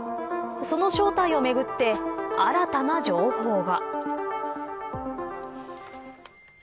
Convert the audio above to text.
その正体をめぐって新たな情報が。